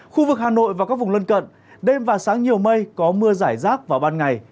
khu vực hà nội và các vùng lân cận đêm và sáng nhiều mây có mưa giải rác vào ban ngày